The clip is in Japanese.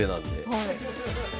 はい。